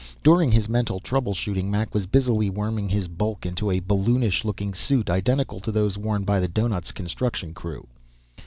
During his mental trouble shooting, Mac was busily worming his bulk into a balloonish looking suit identical to those worn by the doughnut's construction crew.